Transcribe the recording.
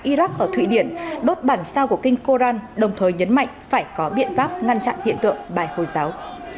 iraq ở thụy điển đốt bản sao của kinh koran đồng thời nhấn mạnh phải có biện pháp ngăn chặn hiện tượng bài hồi giáo